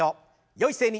よい姿勢に。